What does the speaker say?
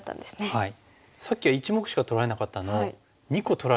はい。